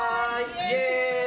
イエーイ！